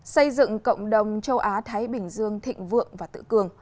xây dựng cộng đồng châu á thái bình dương thịnh vượng và tự cường